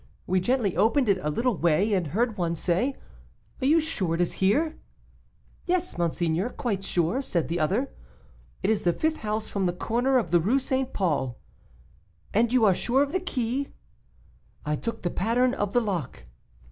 We gently opened it a little way, and heard one say, 'Are you sure it is here?' 'Yes, monseigneur, quite sure,' said the other. 'It is the fifth house from the corner of the Rue St. Paul.' 'And you are sure of the key?' 'I took the pattern of the lock.